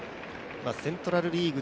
セントラル・リーグ